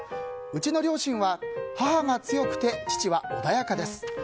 うちの両親は、母が強くて父は穏やかです。